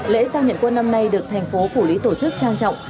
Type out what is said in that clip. lễ giao nhận quân năm nay được thành phố phủ lý tổ chức trang trọng